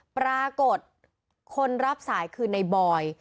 ปรากฏคนรับสายคือในบอย